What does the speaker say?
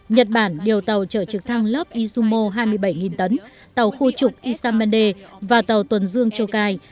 nhật bản đều tàu chở trực thăng lớp izumo hai mươi bảy tấn tàu khu trục isamande và tàu tuần dương chokai